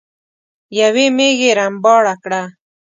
يوې ميږې رمباړه کړه.